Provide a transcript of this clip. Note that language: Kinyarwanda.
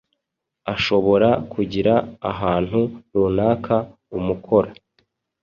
ashobora kugira ahantu runaka umukora